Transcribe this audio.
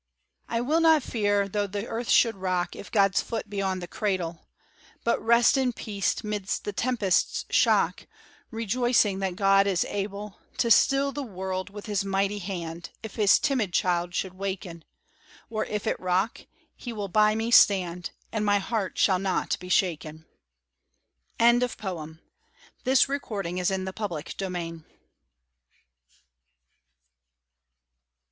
I will not fear, though the earth should rock, If God's foot be on the cradle; But rest in peace midst the tempest's shock, Rejoicing that God is able To still the world with His mighty hand, If His timid child should waken; Or, if it rock, He will by me stand; And my heart shall not be shaken. GOD'S GIFTS TO BE ENJOYED From God's all bounteous hand de